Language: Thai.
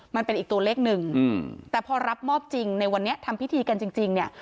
มันเป็นอีกตัวเลขหนึ่งแต่พอรับมอบจริงในวันนี้ทำพิธีกันจริงเนี่ย